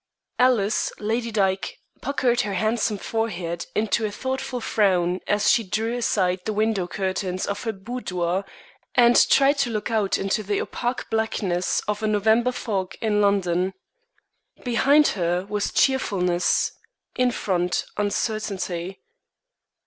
Alice, Lady Dyke, puckered her handsome forehead into a thoughtful frown as she drew aside the window curtains of her boudoir and tried to look out into the opaque blackness of a November fog in London. Behind her was cheerfulness in front uncertainty.